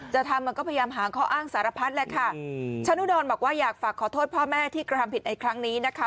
จะทำมันก็พยายามหาข้ออ้างสารพัดแหละค่ะชะนุดรบอกว่าอยากฝากขอโทษพ่อแม่ที่กระทำผิดในครั้งนี้นะคะ